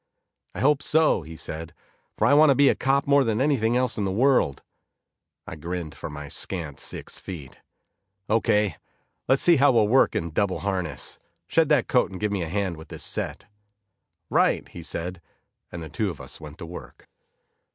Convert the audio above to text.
"I hope so," he said, "for I want to be a cop more than anything else in the world." I grinned from my scant six feet. "Okay, let's see how we'll work in double harness. Shed that coat, and give me a hand with this set." "Right," he said, and the two of us went to work.